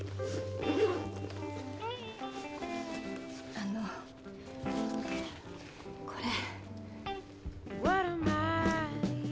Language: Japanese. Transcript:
あのこれ。